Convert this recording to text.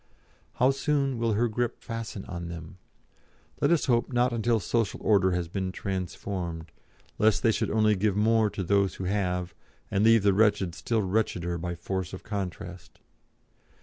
How soon will her grip fasten on them? Let us hope not until social order has been transformed, lest they should only give more to those who have, and leave the wretched still wretcheder by force of contrast.